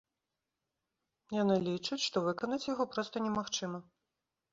Яна лічыць, што выканаць яго проста немагчыма.